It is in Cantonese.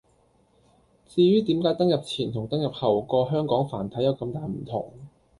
至於點解登入前同登入後個「香港繁體」有咁大唔同